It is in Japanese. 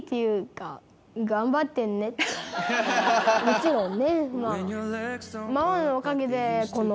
もちろん。